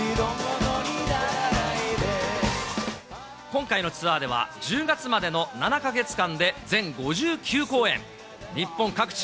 今回のツアーでは、１０月までの７か月間で全５９公演。